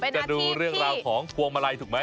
จะดูเรื่องราวของพวงมาลัยถูกไหม